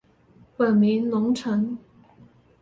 本名融成。